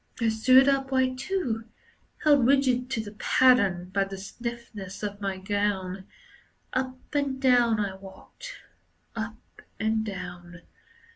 I stood upright too, Held rigid to the pattern By the stiffness of my gown. Up and down I walked, Up and down.